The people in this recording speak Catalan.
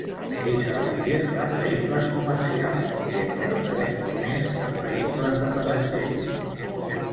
És el líder en vehicles comercials i entre els tres primers en vehicles de passatgers.